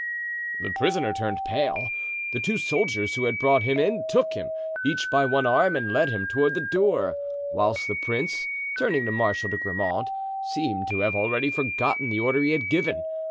The prisoner turned pale. The two soldiers who had brought him in took him, each by one arm, and led him toward the door, whilst the prince, turning to Marshal de Grammont, seemed to have already forgotten the order he had given.